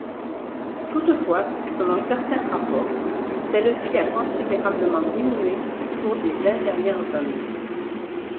Toutefois selon certains rapports, celle-ci a considérablement diminué au cours des vingt dernières années.